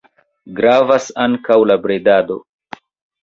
Gravas ankaŭ la bredado.